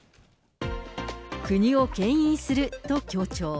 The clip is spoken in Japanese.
国をけん引すると強調。